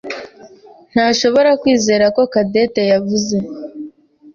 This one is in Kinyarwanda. ntashobora kwizera ko Cadette yavuze.